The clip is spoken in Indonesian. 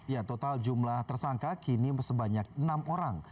ya total jumlah tersangka kini sebanyak enam orang